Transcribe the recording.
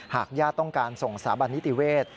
หากญาติต้องการส่งสถาบันนิติเวศ